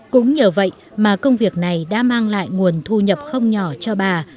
cũng nhờ vậy mà công việc này đã mang lại tất cả những người khuyết tật ở trong xã này